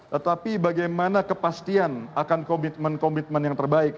tetapi bagaimana kepastian akan komitmen komitmen yang terbaik